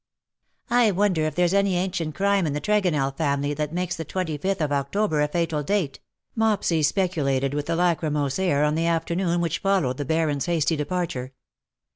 ^' I WONDER if there is any ancient crime in the Tregonell family that makes the twenty fifth of October a fatal date/'' Mopsy speculated,, with a lachrymose air, on the afternoon which followed the Baron^s hasty departure.